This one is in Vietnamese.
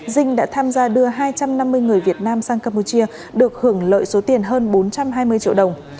dinh đã tham gia đưa hai trăm năm mươi người việt nam sang campuchia được hưởng lợi số tiền hơn bốn trăm hai mươi triệu đồng